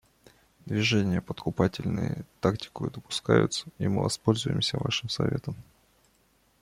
Движения подкупательные тактикою допускаются, и мы воспользуемся вашим советом.